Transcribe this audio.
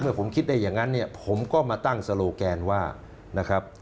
ผมคิดได้อย่างนั้นเนี่ยผมก็มาตั้งโซโลแกนว่านะครับ